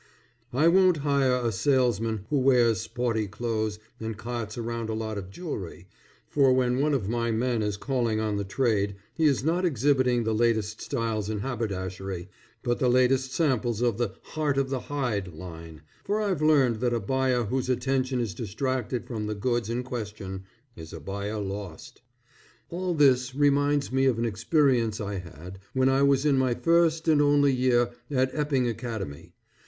I won't hire a salesman who wears sporty clothes and carts around a lot of jewelry, for when one of my men is calling on the trade he is not exhibiting the latest styles in haberdashery, but the latest samples of the "Heart of the Hide" line, for I've learned that a buyer whose attention is distracted from the goods in question is a buyer lost. All this reminds me of an experience I had when I was in my first and only year at Epping Academy.